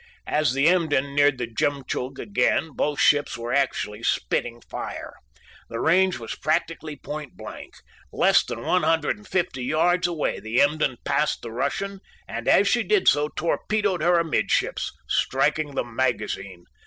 As the Emden neared the Jemtchug again both ships were actually spitting fire. The range was practically point blank. Less than 150 yards away the Emden passed the Russian, and as she did so torpedoed her amidships, striking the magazine.